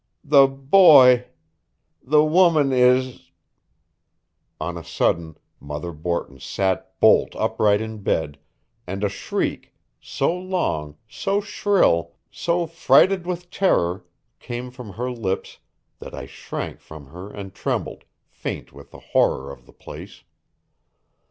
The boy the woman is " On a sudden Mother Borton sat bolt upright in bed, and a shriek, so long, so shrill, so freighted with terror, came from her lips that I shrank from her and trembled, faint with the horror of the place.